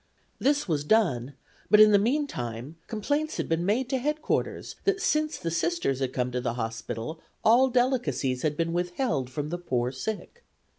This was done, but in the meantime complaints had been made to headquarters that since the Sisters had come to the hospital all delicacies had been withheld from the poor sick.